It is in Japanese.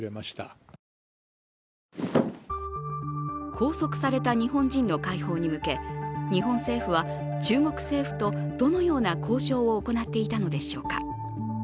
拘束された日本人の解放に向け、日本政府は中国政府とどのような交渉を行っていたのでしょうか。